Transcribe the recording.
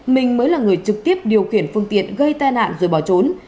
mình mới là người trực tiếp điều khiển phương tiện gây tai nạn rồi bỏ trốn